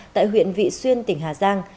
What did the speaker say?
tại huyện vị xuyên tỉnh hà giang